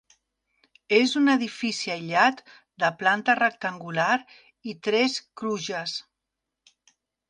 És un edifici aïllat de planta rectangular i tres crugies.